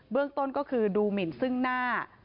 เบื้องต้นก็คือดูหมินซึ่งหน้า